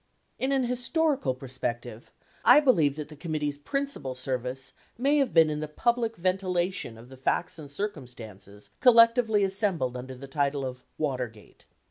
In an historical perspective, I believe that the committee's principal service may have been in the public ventilation of the facts and cir cumstances collectively assembled under the title of Watergate.